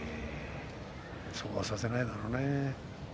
そうはさせないだろうね。